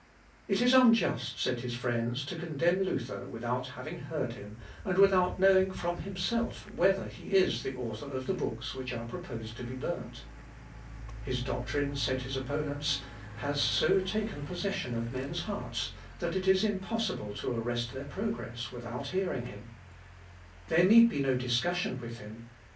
It is unjust, said his friends, to condemn Luther without having heard him, and without knowing from himself whether he is the author of the books which are proposed to be burnt. His doctrine, said his opponents, has so taken possession of men's hearts, that it is impossible to arrest their progress without hearing him. There need be no discussion with him.